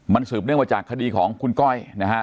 มันสืบเนื่องมาจากคดีของคุณก้อยนะฮะ